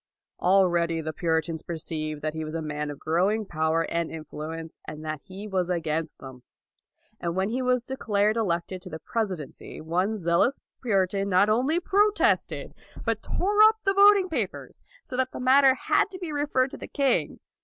Al ready the Puritans perceived that he was a man of growing power and influence, and that he was against them; and when 218 LAUD he was declared elected to the presidency one zealous Puritan not only protested, but tore up the voting papers, so that the matter had to be referred to the king.